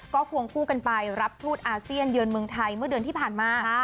ก็ควงคู่กันไปรับทูตอาเซียนเยือนเมืองไทยเมื่อเดือนที่ผ่านมา